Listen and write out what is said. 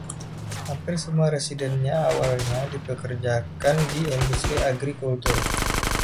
Hampir semua residennya awalnya dipekerjakan di industri agrikultur.